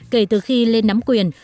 kể từ khi lên nắm quyền